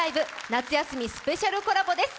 夏休みスペシャルコラボです。